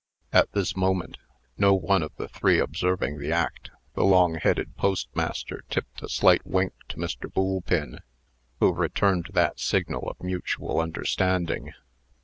At this moment (no one of the three observing the act), the long headed postmaster tipped a slight wink to Mr. Boolpin, who returned that signal of mutual understanding.